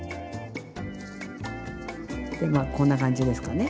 でまあこんな感じですかね。